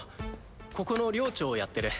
ここの寮長をやってる。